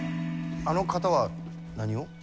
あの方は何を？